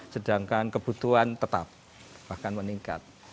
sedangkan kebutuhan tetap bahkan meningkat